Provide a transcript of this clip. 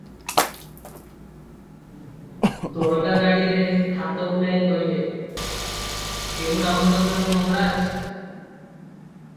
ଦାରୋଗା ଦାଢ଼ିରେ ହାତ ବୁଲାଇ କହିଲେ, "କେଉଁ ରାମଚନ୍ଦ୍ର ମଙ୍ଗରାଜ!